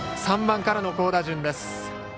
３番からの好打順です。